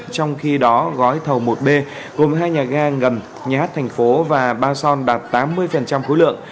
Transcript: trong khi đó gói thầu một b gồm hai nhà ga ngầm nhà hát thành phố và ba son đạt tám mươi khối lượng